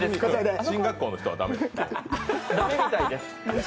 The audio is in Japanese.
進学校の人は駄目です。